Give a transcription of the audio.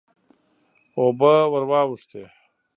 اوبه ور واوښتې.